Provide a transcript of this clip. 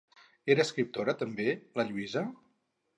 Era escriptora, també, la Lluïsa?